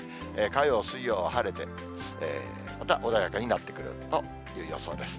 火曜、水曜は晴れて、また穏やかになってくるという予想です。